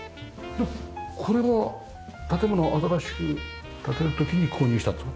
これは建物新しく建てる時に購入したんですか？